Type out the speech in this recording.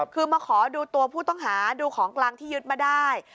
คือมาขอดูตัวผู้ต้องหาดูของกลางที่ยึดมาได้